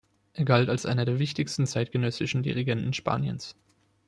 Er galt als einer der wichtigsten zeitgenössischen Dirigenten Spaniens.